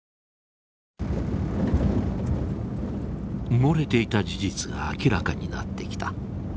埋もれていた事実が明らかになってきた。